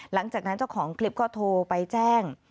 หลังจากนั้นเจ้าของคลิปก็โทรไปแจ้ง